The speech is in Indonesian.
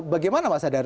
bagaimana pak sadar